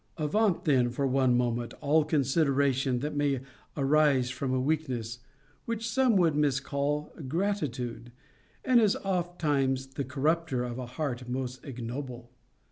'Avaunt then, for one moment, all consideration that may arise from a weakness which some would miscall gratitude; and is oftentimes the corrupter of a heart most ignoble!'